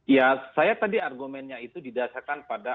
ya saya tadi argumennya itu didasarkan pada